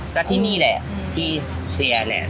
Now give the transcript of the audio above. ก็ที่นี่แหละที่เชียร์เนี่ย